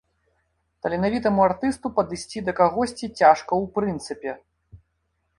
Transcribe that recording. Таленавітаму артысту падысці да кагосьці цяжка ў прынцыпе.